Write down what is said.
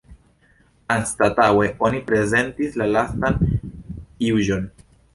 Anstataŭe oni prezentis la Lastan Juĝon.